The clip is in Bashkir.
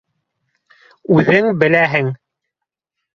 Үҙең беләһең.